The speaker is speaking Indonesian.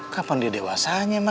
kapan dia dewasanya ma